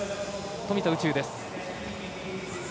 富田宇宙です。